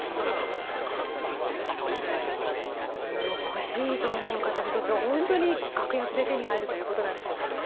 欲しいと思う方にとっては本当に格安で手に入るということなんでしょうかね。